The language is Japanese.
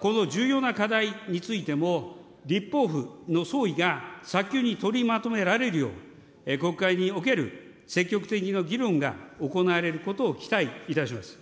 この重要な課題についても、立法府の総意が早急に取りまとめられるよう、国会における積極的な議論が行われることを期待いたします。